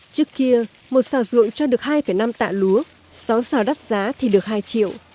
trước kia một xào ruộng cho được hai năm tạ lúa sáu xào đắt giá thì được hai triệu